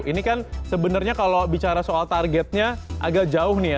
ini kan sebenarnya kalau bicara soal targetnya agak jauh nih ya